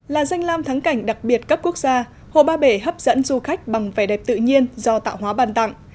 là danh lam thắng cảnh đặc biệt cấp quốc gia hồ ba bể hấp dẫn du khách bằng vẻ đẹp tự nhiên do tạo hóa bàn tặng